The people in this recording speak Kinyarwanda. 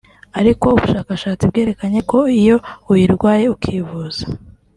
ariko ubushakashatsi bwerekanye ko iyo uyirwaye ukivuza